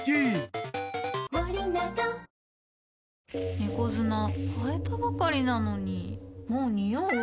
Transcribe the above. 猫砂替えたばかりなのにもうニオう？